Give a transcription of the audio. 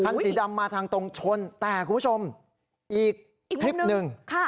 สีดำมาทางตรงชนแต่คุณผู้ชมอีกคลิปหนึ่ง